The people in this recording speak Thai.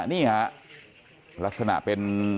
นี่ฮะลักษณะเป็น